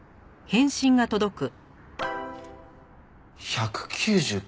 「１９９。